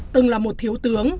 từng là một thiếu tướng